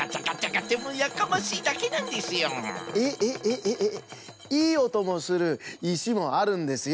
えっえっえっいいおとのするいしもあるんですよ。